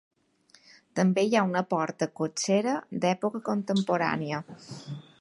També hi ha una porta cotxera d'època contemporània.